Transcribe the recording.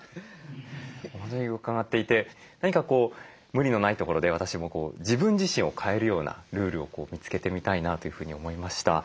お話伺っていて何かこう無理のないところで私も自分自身を変えるようなルールを見つけてみたいなというふうに思いました。